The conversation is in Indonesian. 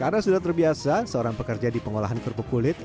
karena sudah terbiasa seorang pekerja di pengolahan kerupuk kulit